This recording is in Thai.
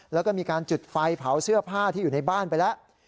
แล้วก็มีการจุดไฟเผาเสื้อผ้าที่อยู่ในบ้านไปแล้ว